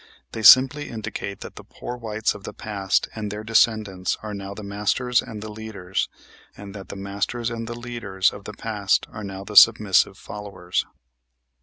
They simply indicate that the poor whites of the past and their descendants are now the masters and the leaders, and that the masters and the leaders of the past are now the submissive followers.